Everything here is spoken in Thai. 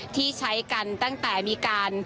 ที่ใช้กันตั้งแต่มีการ